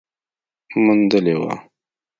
موندلې وه